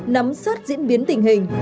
nắm sát diễn biến tình hình